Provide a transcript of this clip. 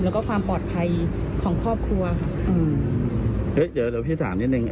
แล้วก็ความปลอดภัยของครอบครัวเดี๋ยวเดี๋ยวพี่ถามนิดหนึ่ง